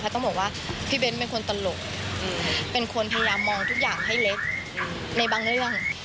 ต้องบอกว่าพี่เบ้นเป็นคนตลกเป็นคนพยายามมองทุกอย่างให้เล็กในบางเรื่อง